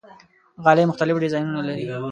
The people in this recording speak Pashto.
غالۍ مختلف ډیزاینونه لري.